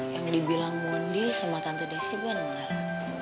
yang dibilang mondi sama tante desiban malah